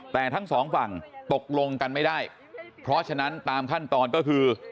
แต่ทั้งสองฝั่งตกลงกันไม่ได้เพราะฉะนั้นตามขั้นตอนก็คือ